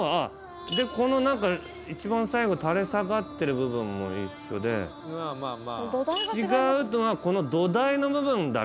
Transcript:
でこの何か一番最後垂れ下がってる部分も一緒で違うのはこの土台の部分だけ？